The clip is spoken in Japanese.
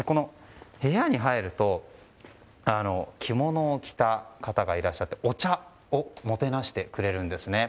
部屋に入ると着物を着た方がいらっしゃってお茶をもてなしてくれるんですね。